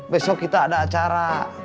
besok kita ada acara